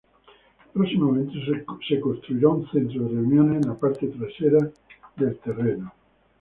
Próximamente se construirá un centro de reuniones en la parte trasera del terreno.